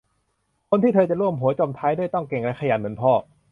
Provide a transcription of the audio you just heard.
คนที่เธอจะร่วมหัวจมท้ายด้วยต้องเก่งและขยันเหมือนพ่อ